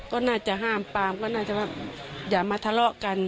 ก็น่าจะห้ามปามก็น่าจะว่าอย่ามาทะเลาะกัน